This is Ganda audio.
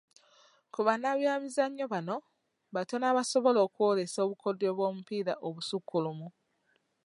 Ku bannabyamizannyo bano batono abasobola okwolesa obukodyo bw'omupiira obusukkulumu.